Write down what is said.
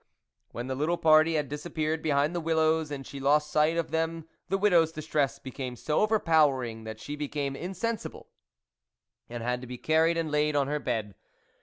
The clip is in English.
When the little party had disappeared behind the willows, and she lost sight of them, the widow's distress became so overpowering that she became insensible, and had to be carried and laid on her bed.